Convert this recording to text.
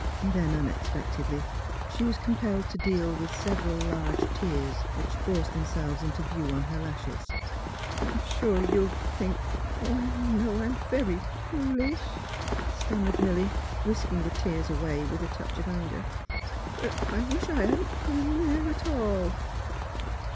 '' Then, unexpectedly, she was compelled to deal with several large tears which forced themselves into view on her lashes. ''I'm sure you'll think — I know — I'm very fool ish," stammered Milly, whisking the tears away with a touch of anger. " But I — I wish I hadn't gone there, at all."